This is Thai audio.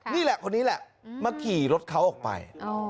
นี่แหละคนนี้แหละมาขี่รถเขาออกไป